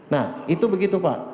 nah itu begitu pak